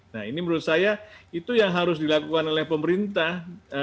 nah ini menurut saya itu yang harus dilakukan oleh pemerintah